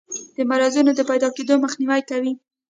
د مرضونو د پیداکیدو مخنیوی کوي.